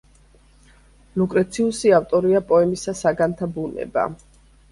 ლუკრეციუსი ავტორია პოემის „საგანთა ბუნება“.